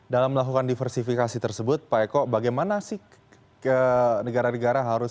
dalam melakukan diversifikasi tersebut pak eko bagaimana sih negara negara harus